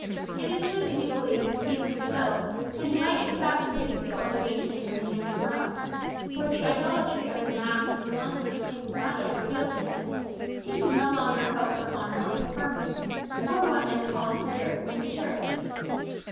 It is true that he believed, even still, that he might accept priestly ordination from the hands of Rome (for the idolatry of the mass was amongst the things not yet revealed to him); but he could no longer hope for honour or preferment, or what men call a career, in the Church.